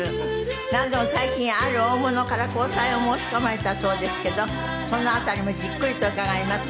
なんでも最近ある大物から交際を申し込まれたそうですけどその辺りもじっくりと伺います。